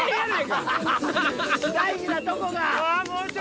大事なとこが！